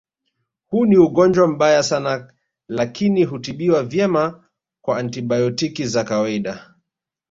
Huu ni ugonjwa mbaya sana lakini hutibiwa vyema kwa antibayotiki za kawaida